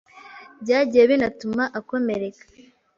byagiye binatuma akomereka